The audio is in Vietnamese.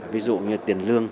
ví dụ như tiền lương